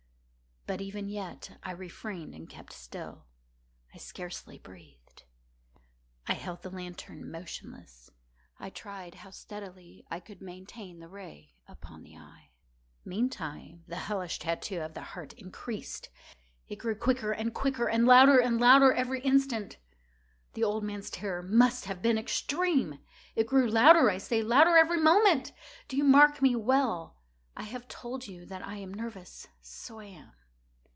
But even yet I refrained and kept still. I scarcely breathed. I held the lantern motionless. I tried how steadily I could maintain the ray upon the eve. Meantime the hellish tattoo of the heart increased. It grew quicker and quicker, and louder and louder every instant. The old man's terror must have been extreme! It grew louder, I say, louder every moment!—do you mark me well? I have told you that I am nervous: so I am.